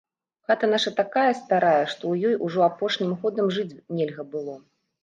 Хата наша такая старая, што ў ёй ужо апошнім годам жыць нельга было.